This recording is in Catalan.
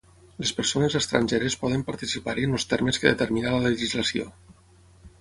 Les persones estrangeres poden participar-hi en els termes que determina la legislació.